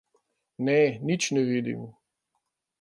Ne, nič ne vidim.